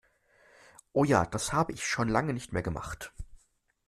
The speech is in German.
Oh ja, das habe ich schon lange nicht mehr gemacht!